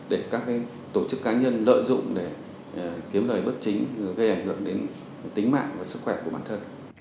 để các tổ chức cá nhân lợi dụng để kiếm lời bất chính gây ảnh hưởng đến tính mạng và sức khỏe của bản thân